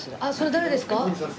あっそれ誰ですか？